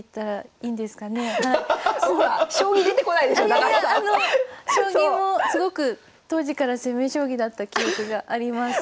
あいやいやあの将棋もすごく当時から攻め将棋だった記憶があります。